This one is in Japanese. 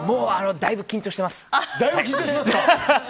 だいぶ緊張してます！